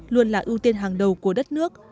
luôn là ưu tiên hàng đầu của đất nước